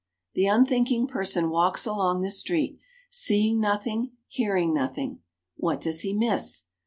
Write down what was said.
The unthinking person walks along the street, seeing nothing, hearing nothing. What does he miss?